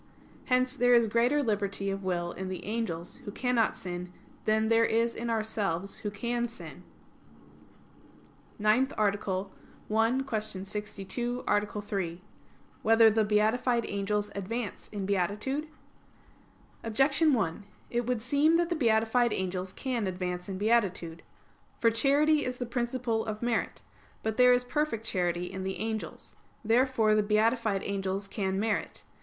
Hence there is greater liberty of will in the angels, who cannot sin, than there is in ourselves, who can sin. _______________________ NINTH ARTICLE [I, Q. 62, Art. 3] Whether the Beatified Angels Advance in Beatitude? Objection 1: It would seem that the beatified angels can advance in beatitude. For charity is the principle of merit. But there is perfect charity in the angels. Therefore the beatified angels can merit.